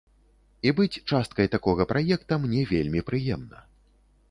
І быць часткай такога праекта мне вельмі прыемна.